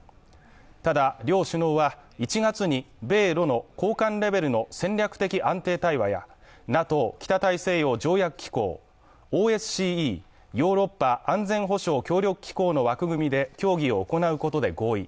ただ、両首脳は１月に米ロの高官レベルの戦略的安定対話やＮＡＴＯ＝北大西洋条約機構、ＯＳＣＥ＝ヨーロッパ安保協力機構の枠組みで協議を行うことで合意。